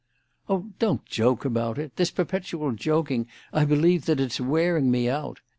"Oh, don't joke about it! This perpetual joking, I believe it's that that's wearing me out.